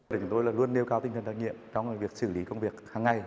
định tôi là luôn nêu cao tinh thần đặc nhiệm trong việc xử lý công việc hàng ngày